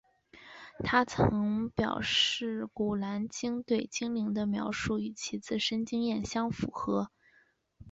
她曾表示古兰经对精灵的描述与其自身经验相符合。